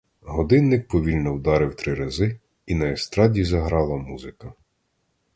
Годинник повільно вдарив три рази, і на естраді заграла музика.